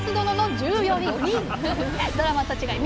ドラマと違い